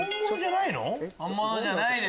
本物じゃないの？